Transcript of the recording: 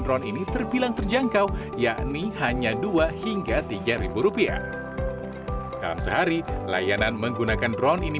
drone ini terbilang terjangkau yakni hanya dua hingga tiga ribu rupiah dalam sehari layanan menggunakan drone ini